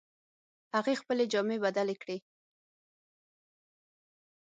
هغې خپلې جامې بدلې کړې